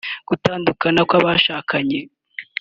gutandukana kw’abashakanye